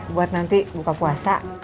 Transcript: buat nanti buka puasa